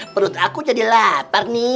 perut aku jadi lapar nih